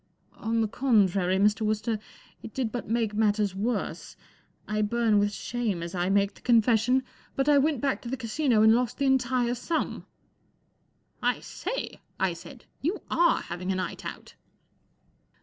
On the contrary, Mr. Wooster, it did but make matters worse. I burn with shame as I make the confession, but I went back to the Casino and lost the entire sum." 4 I say!" I said. 44 You are having a night out